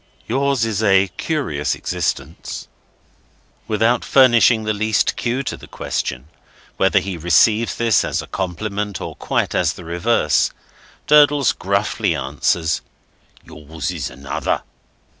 "Yours is a curious existence." Without furnishing the least clue to the question, whether he receives this as a compliment or as quite the reverse, Durdles gruffly answers: "Yours is another."